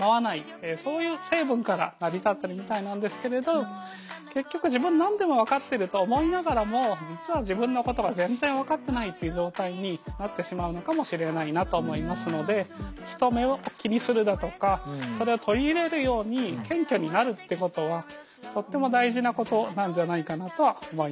そういう成分から成り立ってるみたいなんですけれど結局自分という状態になってしまうのかもしれないなと思いますので人目を気にするだとかそれを取り入れるように謙虚になるってことはとっても大事なことなんじゃないかなとは思いました。